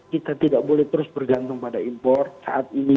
kita tidak boleh terus bergantung pada impor saat ini